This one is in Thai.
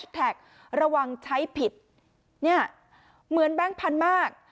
แท็กระวังใช้ผิดเนี่ยเหมือนแบงค์พันธุ์มาก